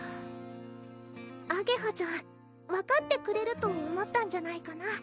あげはちゃん分かってくれると思ったんじゃないかな